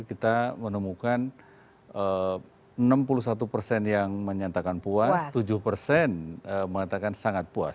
kita menemukan enam puluh satu persen yang menyatakan puas tujuh persen mengatakan sangat puas